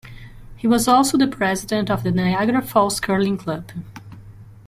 He was also the president of the Niagara Falls Curling Club.